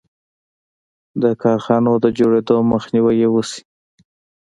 د کارخانو د جوړېدو مخنیوی یې وشي.